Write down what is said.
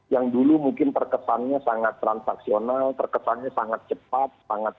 yang dulu mungkin terkesannya sangat transaksional terkesannya sangat cepat